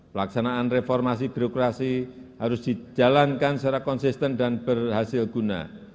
pelaksanaan reformasi birokrasi harus dijalankan secara konsisten dan berhasil guna